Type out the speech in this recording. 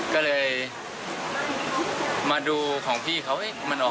ก็เลยมาดูของพี่เขา